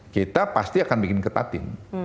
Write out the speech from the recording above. kita pasti akan bikin ketatin